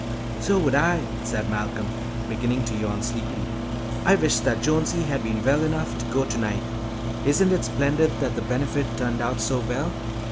"So would I," said Malcolm, beginning to yawn sleepily. "I wish that Jonesy had been well enough to go to night. Isn't it splendid that the Benefit turned out so well?